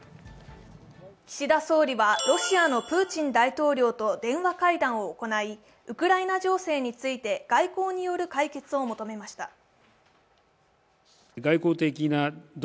岸田総理はロシアのプーチン大統領と電話会談を行いウクライナ情勢について外交による解決を求めました。